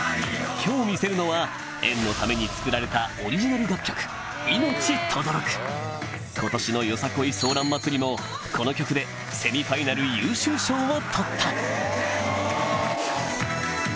今日見せるのは縁のために作られた今年の ＹＯＳＡＫＯＩ ソーラン祭りもこの曲でセミファイナル優秀賞を取った